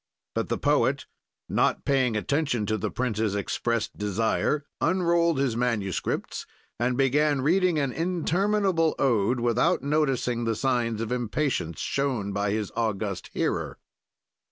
"But the poet, not paying attention to the prince's exprest desire, unrolled his manuscripts and began reading an interminable ode without noticing the signs of impatience shown by his august hearer.